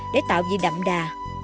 để tạo vị đậm đà